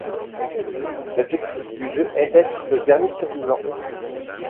L'objectif du jeu est d'être le dernier survivant.